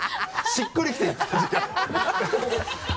しっくりきてる